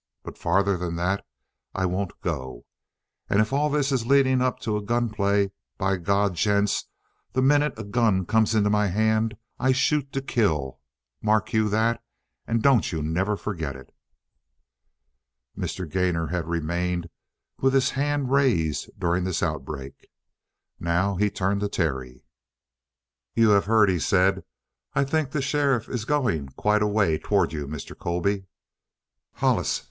But farther than that I won't go. And if all this is leading up to a gunplay, by God, gents, the minute a gun comes into my hand I shoot to kill, mark you that, and don't you never forget it!" Mr. Gainor had remained with his hand raised during this outbreak. Now he turned to Terry. "You have heard?" he said. "I think the sheriff is going quite a way toward you, Mr. Colby." "Hollis!"